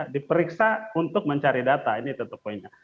diperiksa untuk mencari data ini itu poinnya